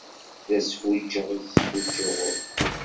D asfuǧǧeɣ i sfuǧǧuɣen.